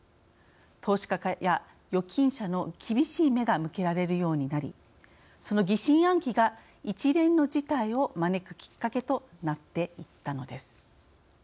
投資家や預金者の厳しい目が向けられるようになりその疑心暗鬼が一連の事態を招くきっかけとなっていったのです。